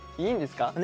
いいんですか？